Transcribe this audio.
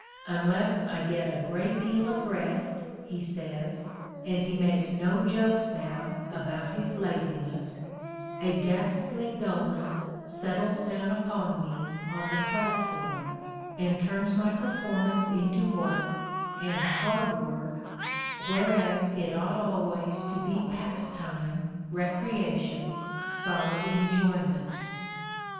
"Unless I get a great deal of rest," he says, and he makes no jokes now about his "laziness," "a ghastly dullness settles down upon me on the platform, and turns my performance into work, and hard work, whereas it ought always to be pastime, recreation, solid enjoyment."